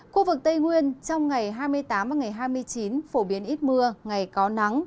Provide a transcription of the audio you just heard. khu vực tây nguyên trong ngày hai mươi tám và ngày hai mươi chín phổ biến ít mưa ngày có nắng